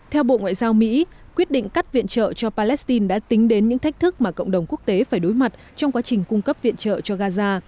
theo bộ ngoại giao mỹ quyết định cắt viện trợ cho palestine đã tính đến những thách thức mà cộng đồng quốc tế phải đối mặt trong quá trình cung cấp viện trợ cho gaza